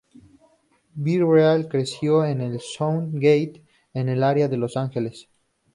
B-Real creció en el South Gate, en el área de Los Ángeles.